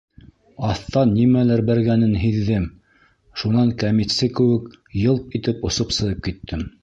Аҫтан нимәлер бәргәнен һиҙҙем —шунан кәмитсе кеүек й-йылп итеп осоп сығып киттем!